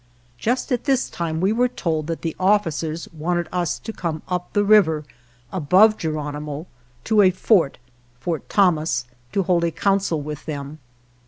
Just at this time we were told that the officers wanted us to come up the river above Geronimo to a fort (Fort 133 GERONIMO Tholnas) to hold a council with them.